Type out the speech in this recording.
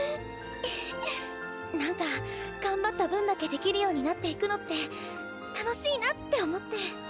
⁉えへ何か頑張った分だけできるようになっていくのって楽しいなって思って。